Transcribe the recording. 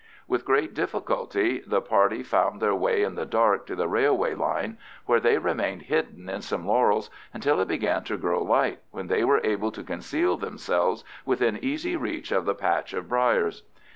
With great difficulty the party found their way in the dark to the railway line, where they remained hidden in some laurels until it began to grow light, when they were able to conceal themselves within easy reach of the patch of briers.